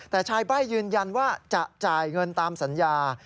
แต่ชายใบ้ยืนยันว่าจะจ่ายเงินตามสัญญา